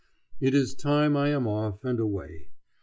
It is time I am off and away.